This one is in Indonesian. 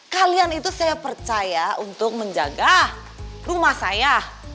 kalian itu saya percaya untuk menjaga rumah saya